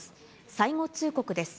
最後通告です。